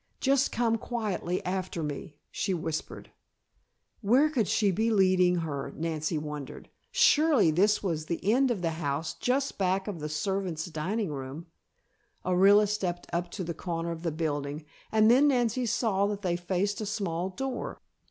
Just come quietly after me," she whispered. Where could she be leading her, Nancy wondered? Surely this was the end of the house just back of the servant's dining room Orilla stepped up to the corner of the building, and then Nancy saw that they faced a small door.